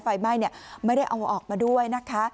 ไฟไหม้ไม่ได้เอาออกมาด้วยนะคะ